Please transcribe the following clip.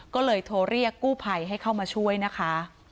ก็เลยโทรเรียกกู้ภัยให้เข้ามาช่วยนะคะ